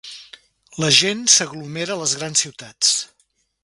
La gent s'aglomera a les grans ciutats.